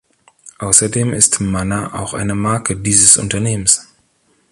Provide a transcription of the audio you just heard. Außerdem ist Manner auch eine Marke dieses Unternehmens.